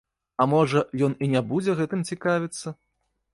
А можа, ён і не будзе гэтым цікавіцца?